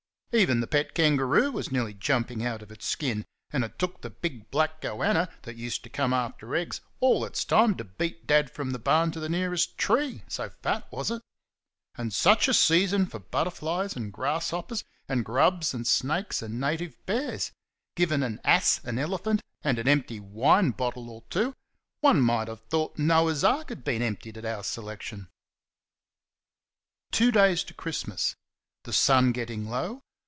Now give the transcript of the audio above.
Even the pet kangaroo was nearly jumping out of its skin; and it took the big black "goanna" that used to come after eggs all its time to beat Dad from the barn to the nearest tree, so fat was it. And such a season for butterflies and grasshoppers, and grubs and snakes, and native bears! Given an ass, an elephant, and an empty wine bottle or two, and one might have thought Noah's ark had been emptied at our selection. Two days to Christmas. The sun getting low.